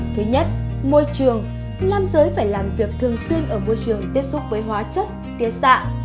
thứ nhất môi trường nam giới phải làm việc thường xuyên ở môi trường tiếp xúc với hóa chất tiến xạ